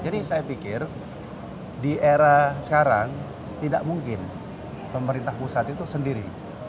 jadi saya pikir di era sekarang tidak mungkin pemerintah pusat itu sendiri